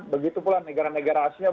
begitu pula negara negara asia